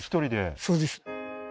そうです